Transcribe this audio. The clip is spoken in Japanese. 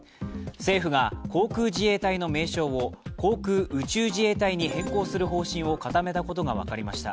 政府が航空自衛隊の名称を航空宇宙自衛隊に変更する方針を固めたことが分かりました。